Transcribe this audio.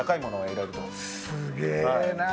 すげえな。